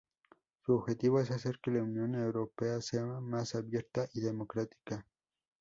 Su objetivo es hacer que la Unión Europea sea más abierta y democrática.